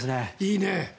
いいね。